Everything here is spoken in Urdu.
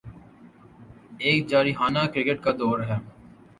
اب جارحانہ کرکٹ کا دور ہے۔